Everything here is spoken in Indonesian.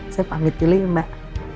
saya pamit dulu ya mbak